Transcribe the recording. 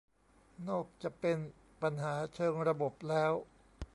นอกจะเป็นปัญหาเชิงระบบแล้ว